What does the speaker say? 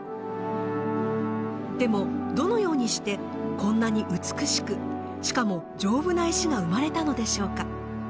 でもどのようにしてこんなに美しくしかも丈夫な石が生まれたのでしょうか。